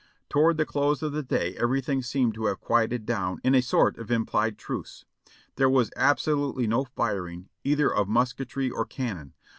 Toward the close of the day everything seemed to have quieted down, in a sort of implied truce. There was absolutely no firing, either of musketry or cannon.